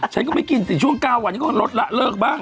ฉันก็ไม่กินสิช่วง๙วันนี้ก็ลดละเลิกบ้าง